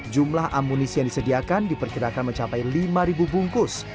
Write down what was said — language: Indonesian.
jumlah amunisi yang disediakan diperkirakan mencapai lima bungkus